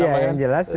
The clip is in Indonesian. ya yang jelas